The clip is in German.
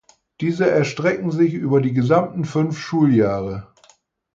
Diese erstrecken sich über die gesamten fünf Schuljahre.